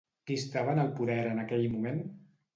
Qui estava en el poder en aquell moment?